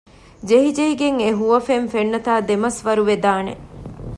ޖެހިޖެހިގެން އެހުވަފެން ފެންނަތާ ދެމަސްވަރުވެދާނެ